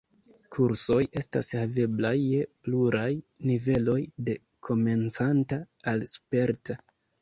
Kursoj estas haveblaj je pluraj niveloj, de komencanta al sperta.